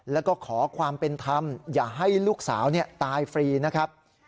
แล้วก็ขอความเป็นธรรมอย่าให้ลูกสาวตายฟรีนะครับ